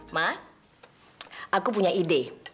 ma aku punya ide